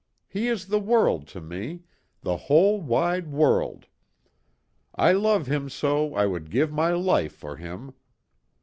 He is the world to me the whole, wide world. I love him so I would give my life for him.